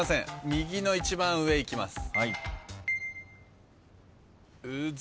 右の一番上いきます。